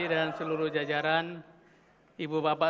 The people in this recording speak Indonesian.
dan seluruh jajaran ibu bapak